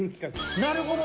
なるほどね。